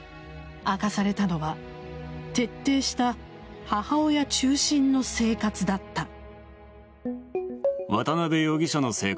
明かされたのは徹底した母親中心の生活だった。